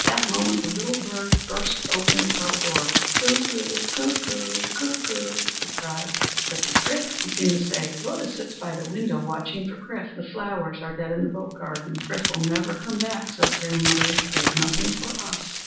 That moment the little bird burst open the pearl door. "Cuckoo! cuckoo! cuckoo!" he cried. But to Chrif he seemed to say: "Rhoda sits by the window watching for Chrif. The flowers are dead in the boat garden. 'Chrif will never come back,' says grandmother, 'he cares nothing for us.'"